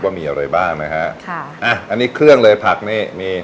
ว่ามีอะไรบ้างนะฮะค่ะอ่ะอันนี้เครื่องเลยผักนี่มี